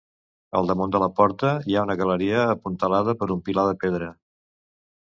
Al damunt de la porta hi ha una galeria apuntalada per un pilar de pedra.